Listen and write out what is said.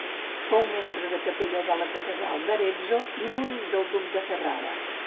Fou mestre de capella de la Catedral d'Arezzo i músic del duc de Ferrara.